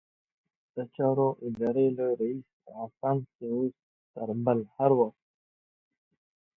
د چارو ادارې لوی رئيس؛ افغانستان کې اوس تر بل هر وخت